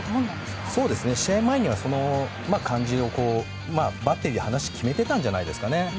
試合前にはバッテリーで話して決めてたんじゃないですかね。